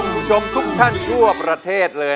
คุณผู้ชมทุกท่านทั่วประเทศเลย